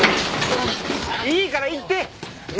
いいから行って！